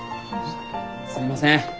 すいません